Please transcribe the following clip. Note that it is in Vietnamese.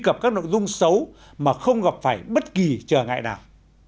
gặp các nội dung xấu mà không gặp phải bất kỳ trở ngại nào